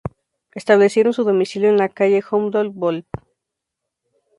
Establecieron su domicilio en la calle Humboldt.